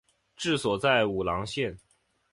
治所在武郎县。